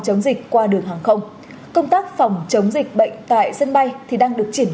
chống dịch qua đường hàng không công tác phòng chống dịch bệnh tại sân bay thì đang được triển